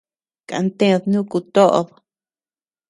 Kantèd nuku toʼod.